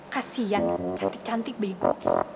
kasian cantik cantik bego